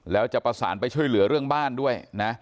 แล้วจะประสานไปช่วยเหลือเรื่องบ้านด้วยนะ